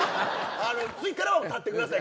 次からは立ってください